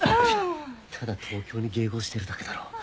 ただ東京に迎合しているだけだろ。